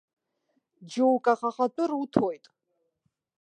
Џьоук аҟаҟатәы руҭоит?!